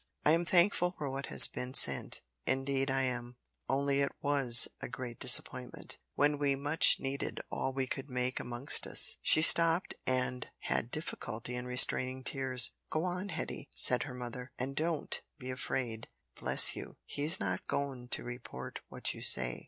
"I am thankful for what has been sent indeed I am only it was a great disappointment, particularly at this time, when we so much needed all we could make amongst us." She stopped and had difficulty in restraining tears. "Go on, Hetty," said her mother, "and don't be afraid. Bless you, he's not goin' to report what you say."